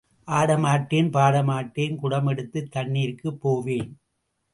ஆட மாட்டேன், பாட மாட்டேன், குடம் எடுத்துத் தண்ணீர்க்குப் போவேன்.